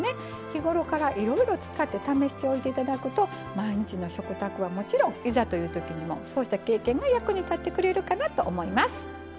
日頃からいろいろ使って試しておいていただくと毎日の食卓はもちろんいざというときにもそうした経験が役に立ってくれるかなと思います。